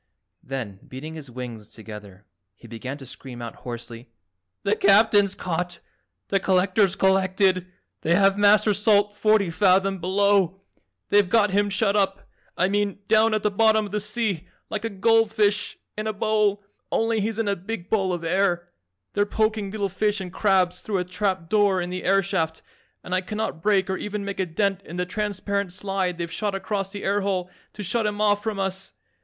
Then, beating his wings together, he began to scream out hoarsely, "The Captain's caught! The Collector's collected. They have Master Salt forty fathom below. They've got him shut up, I mean down at the bottom of the sea like a gold fish in a bowl, only he's in a big bowl of air. They're poking little fish and crabs through a trap door in the air shaft and I cannot break or even make a dent in the transparent slide they've shot across the air hole to shut him off from us.